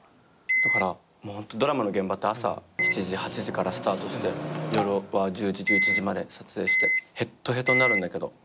だからホントドラマの現場って朝７時８時からスタートして夜は１０時１１時まで撮影してへっとへとになるんだけど。